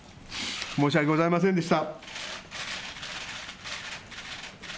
申し訳ございませんでした。